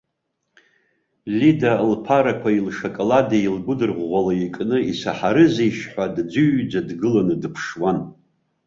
Лида лԥарақәеи лшоколади лгәыдырӷәӷәала икны, исаҳарызеишь ҳәа, дӡыҩӡа дгыланы дыԥшуан.